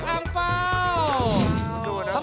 สวัสดีครับ